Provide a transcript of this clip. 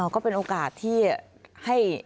ก็เป็นโอกาสที่ให้